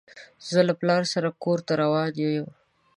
زه له پلار سره کور ته روان يم.